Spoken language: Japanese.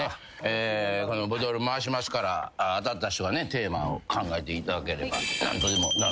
ボトル回しますから当たった人がねテーマを考えていただければ。